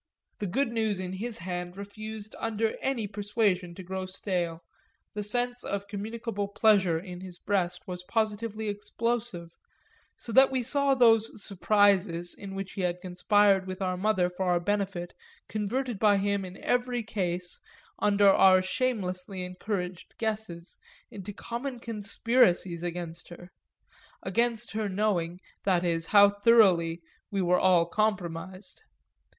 The good news in his hand refused under any persuasion to grow stale, the sense of communicable pleasure in his breast was positively explosive; so that we saw those "surprises" in which he had conspired with our mother for our benefit converted by him in every case, under our shamelessly encouraged guesses, into common conspiracies against her against her knowing, that is, how thoroughly we were all compromised.